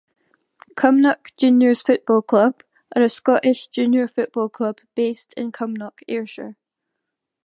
Cumnock Juniors Football Club are a Scottish junior football club based in Cumnock, Ayrshire.